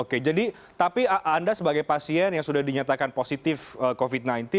oke jadi tapi anda sebagai pasien yang sudah dinyatakan positif covid sembilan belas